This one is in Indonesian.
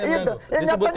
siapa yang diganggu